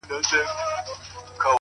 هوښیار انسان له تجربو خزانه جوړوي,